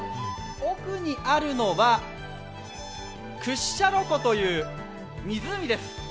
奥にあるのは屈斜路湖という湖です。